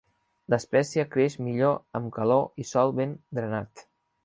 L'espècie creix millor amb calor i sòl ben drenat.